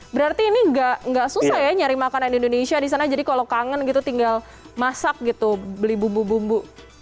berarti ini nggak susah ya nyari makanan indonesia di sana jadi kalau kangen gitu tinggal masak gitu beli bumbu bumbu